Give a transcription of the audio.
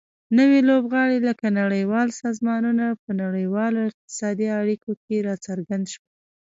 نوي لوبغاړي لکه نړیوال سازمانونه په نړیوالو اقتصادي اړیکو کې راڅرګند شول